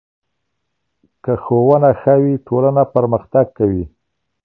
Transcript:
که ښوونه ښه وي، ټولنه پرمختګ کوي.